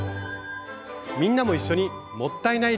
みんなも一緒に「もったいない」